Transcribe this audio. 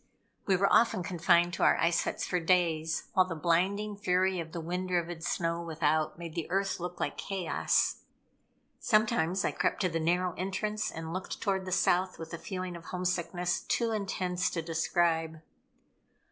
We were often confined to our ice huts for days while the blinding fury of the wind driven snow without made the earth look like chaos. Sometimes I crept to the narrow entrance and looked toward the South with a feeling of homesickness too intense to describe.